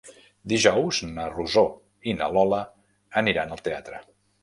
Dijous na Rosó i na Lola aniran al teatre.